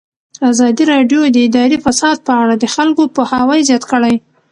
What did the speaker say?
ازادي راډیو د اداري فساد په اړه د خلکو پوهاوی زیات کړی.